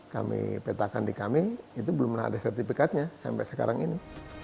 kami petakan di kami itu belum pernah ada sertifikatnya sampai sekarang ini